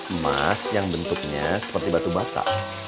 emas yang bentuknya seperti batu bata